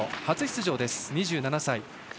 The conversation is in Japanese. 初出場の２７歳。